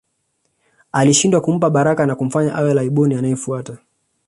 Alishindwa kumpa baraka na kumfanya awe Laiboni anayefuata